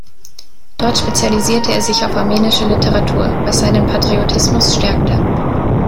Dort spezialisierte er sich auf armenische Literatur, was seinen Patriotismus stärkte.